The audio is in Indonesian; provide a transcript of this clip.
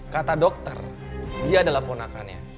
kata dokter dia adalah ponakannya